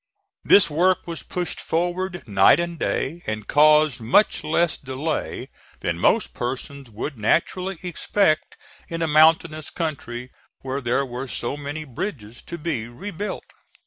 This work was pushed forward night and day, and caused much less delay than most persons would naturally expect in a mountainous country where there were so many bridges to be rebuilt.